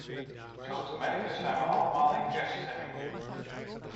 Zo te merken zijn we allemaal in kerststemming.